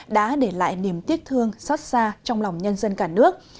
đã để lại niềm tiếc thương xót xa trong lòng nhân dân cả nước